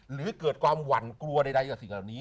หรือเกิดความหวั่นกลัวใดกับสิ่งเหล่านี้